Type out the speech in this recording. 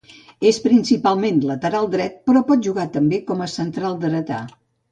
És principalment lateral dret, però pot jugar també com a central dretà.